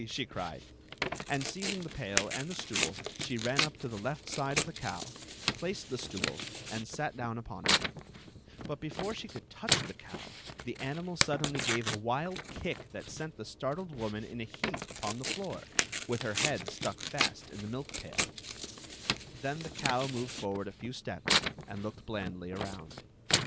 she cried; and seizing the pail and the stool, she ran up to the left side of the cow, placed the stool, and sdt 4awB if)on it. But before dbe ^ovM tou€k ifee 46vif 4m mmni mMaif jsive ^ vM Mdr ifeit #ie startled womafi in a heaf> upon the floor, witi her head stuck fast in the milk pail. Then the cow mo\^Q^ forward a few stepi and looked blan#y arouad.